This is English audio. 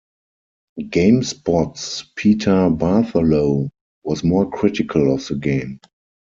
GameSpot's Peter Bartholow was more critical of the game.